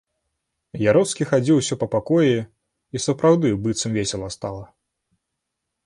Яроцкі хадзіў усё па пакоі, і сапраўды, быццам весела стала.